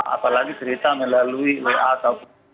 apalagi cerita melalui wa ataupun